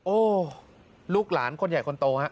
ลูกหลานคนใหญ่คนโตฮะ